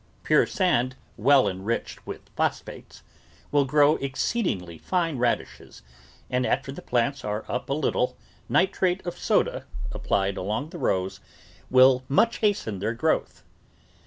Pure sand, well enriched with phos phates, will grow exceedingly fine radishes, and after the plants are up a little, nitrate of soda, ap plied along the rows, will much hasten their growth.